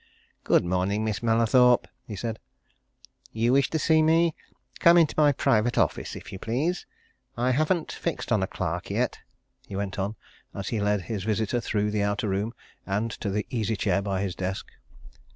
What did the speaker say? "Good morning, Miss Mallathorpe!" he said. "You wish to see me? Come into my private office, if you please. I haven't fixed on a clerk yet," he went on, as he led his visitor through the outer room, and to the easy chair by his desk.